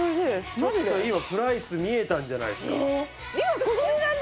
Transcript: ちょっと今プライス見えたんじゃないですか？